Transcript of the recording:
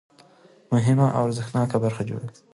مهمه او ارزښتناکه برخه جوړوي.